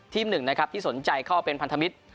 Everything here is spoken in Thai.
ทีมหนึ่งที่สนใจเข้าเป็นพันธมิตร